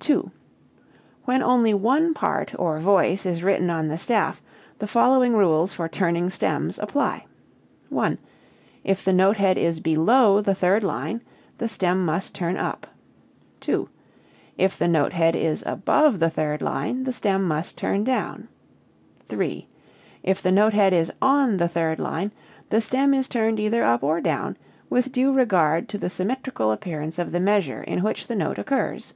2. When only one part (or voice) is written on the staff, the following rules for turning stems apply: (1) If the note head is below the third line, the stem must turn up. (2) If the note head is above the third line the stem must turn down. (3) If the note head is on the third line the stem is turned either up or down with due regard to the symmetrical appearance of the measure in which the note occurs.